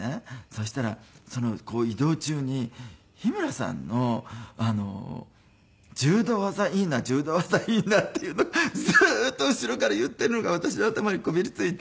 そしたら移動中に日村さんの「柔道技いいな柔道技いいな」っていうのがずっと後ろから言っているのが私の頭にこびりついて。